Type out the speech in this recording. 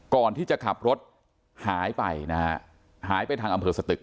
ก่อนที่จะขับรถหายไปนะฮะหายไปทางอำเภอสตึก